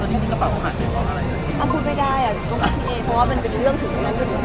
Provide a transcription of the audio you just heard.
ก็คิดว่าพวกมันจะไปกระเป๋าด้วยอะไรอย่างนี้